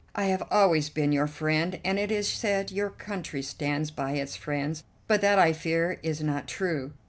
I have always been your friend, and it is said your country stands by its friends; but that, I fear, is not true.